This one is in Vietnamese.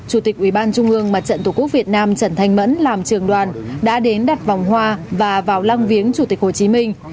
chủ tịch ủy ban trung ương mặt trận tổ quốc việt nam trần thanh mẫn làm trường đoàn đã đến đặt vòng hoa và vào lăng viếng chủ tịch hồ chí minh